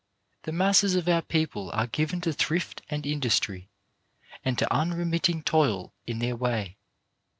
The masses of our people are given to thrift and industry, and to unremit ting toil, in their way.